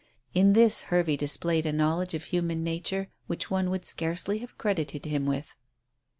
In this Hervey displayed a knowledge of human nature which one would scarcely have credited him with.